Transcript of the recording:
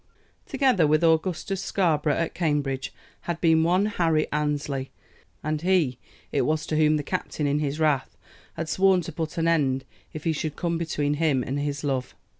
Together with Augustus Scarborough at Cambridge had been one Harry Annesley, and he it was to whom the captain in his wrath had sworn to put an end if he should come between him and his love.